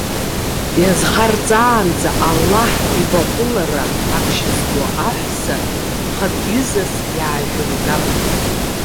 Иазхарҵаанӡа Аллаҳ иваҟәылара аԥшьызго аҳәса хатәҩызас иаажәымган.